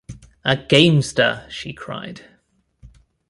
“A gamester!” she cried.